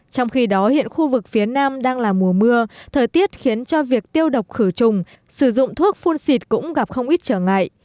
trong khi đó hiện khu vực phía nam đang là mùa mưa thời tiết khiến cho việc tiêu độc khử trùng sử dụng thuốc phun xịt cũng gặp không ít trở ngại